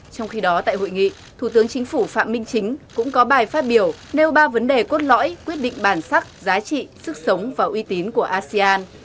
trong khi đó tại hội nghị thủ tướng chính phủ phạm minh chính cũng có bài phát biểu nêu ba vấn đề cốt lõi quyết định bản sắc giá trị sức sống và uy tín của asean